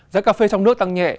giá cà phê trong nước tăng nhẹ